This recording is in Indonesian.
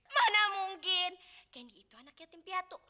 mana mungkin kendi itu anak yatim piatu